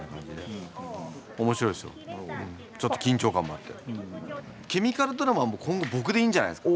ちょっと緊張感もあって。